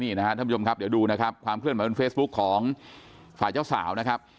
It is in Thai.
นี่นะครับท่านผู้ชมครับเดี๋ยวดูนะครับความเคลื่อนไหวบนเฟซบุ๊คของฝ่ายเจ้าสาวนะครับ